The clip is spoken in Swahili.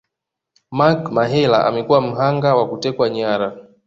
Mark Mahela amekuwa mhanga wa kutekwa nyara